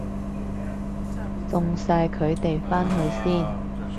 送晒佢哋返去先